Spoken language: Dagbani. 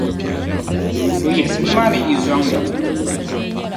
o yiɣisi nimaani yi zɔŋ ni.